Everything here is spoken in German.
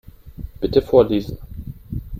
Bitte vorlesen.